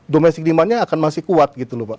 domestik timannya akan masih kuat